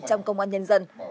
trong công an nhân dân